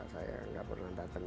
saya gak pernah datang